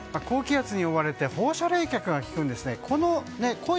高気圧に覆われて放射冷却がきくんですね。